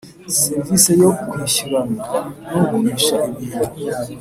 Serivisi yo kwishyurana n ugurisha ibintu